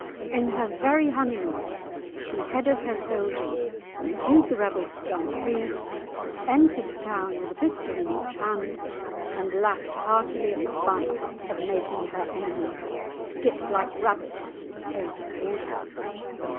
In her very honeymoon she headed her soldiers, pursued the rebels to Dumfries, entered the town with a pistol in each hand, and laughed heartily at the fun of making her enemies "skip like rabbits" over the Border.